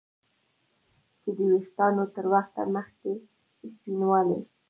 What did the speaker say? چې د ویښتانو تر وخته مخکې سپینوالی